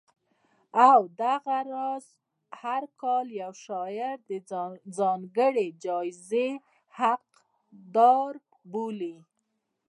او دغه راز هر کال یو شاعر د ځانګړې جایزې حقدار بولي